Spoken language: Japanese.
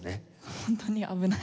ホントに危ない。